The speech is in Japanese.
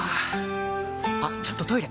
あっちょっとトイレ！